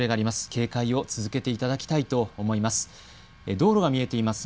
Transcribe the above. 警戒を続けていただきたいと思います。